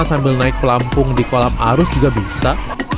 sambil naik pelampung di kolam arus juga bisa